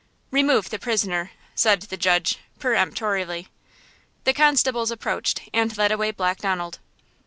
"Remove the prisoner," said the judge, peremptorily. The constables approached and led away Black Donald.